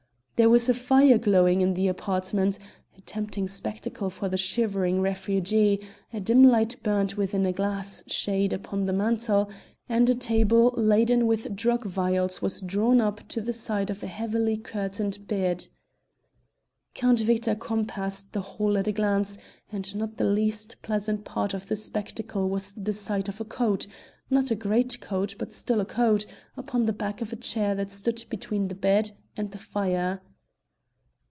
There was a fire glowing in the apartment a tempting spectacle for the shivering refugee, a dim light burned within a glass shade upon the mantel, and a table laden with drug vials was drawn up to the side of a heavily curtained bed. Count Victor compassed the whole at a glance, and not the least pleasant part of the spectacle was the sight of a coat not a greatcoat, but still a coat upon the back of a chair that stood between the bed and the fire.